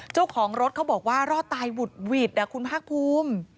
เจ้าของรถเขาบอกว่ารอดตายหุดหวิดคุณภาคภูมิ